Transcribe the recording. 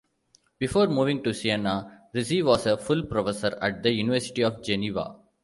Before moving to Siena, Rizzi was a full professor at the University of Geneva.